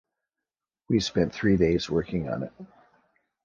We spent three days working on it.